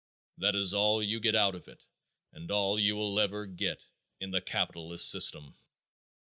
That is all you get out of it and all you ever will get in the capitalist system.